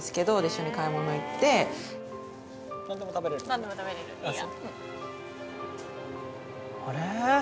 何でも食べれるいいよ・あれ？